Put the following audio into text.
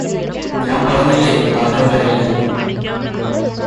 ഞാന് പറഞ്ഞില്ലേ ആരും വരില്ലാ